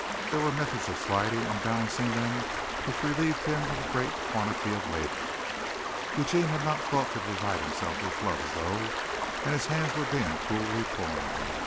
There were methods of sliding and balancing them which relieved him of a great quantity of labor. Eugene had not thought to provide himself with gloves though, and his hands were being cruelly torn.